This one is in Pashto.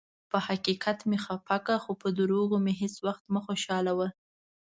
پۀ حقیقت مې خفه کړه، خو پۀ دروغو مې هیڅ ؤخت مه خوشالؤه.